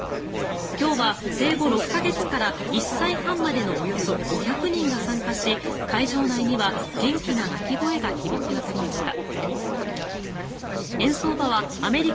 今日は生後６か月から１歳半までのおよそ５００人が参加し会場内には元気な泣き声が響き渡りました。